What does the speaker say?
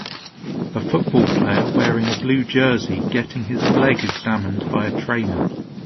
A football player wearing a blue jersey getting his leg examined by a trainer.